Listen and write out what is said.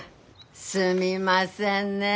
すみませんね